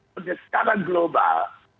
pada setara global